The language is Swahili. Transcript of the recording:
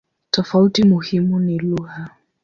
Tofauti muhimu ni lugha.